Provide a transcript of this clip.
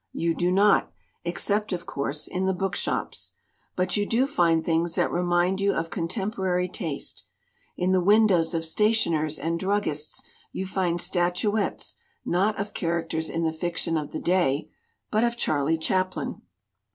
You do not, except of course in the bookshops. But you do find things that remind you of contemporary taste. In the windows of stationers and druggists you find statuettes not of characters in the fiction of the day, but of Charlie Chaplin.